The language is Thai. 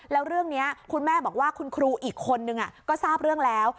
แล้วเรื่องนี้คุณแม่บอกว่าคุณครูอีกคนนึงก็ทราบเรื่องแล้ว